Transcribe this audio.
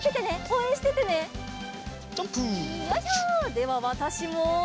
ではわたしも。